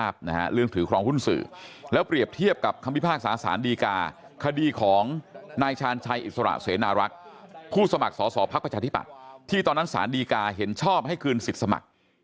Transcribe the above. ผู้สมัครสอบสอบภักดิ์ประชาธิบัติที่ตอนนั้นสารดีกาเห็นชอบให้คืนสิทธิ์สมัคร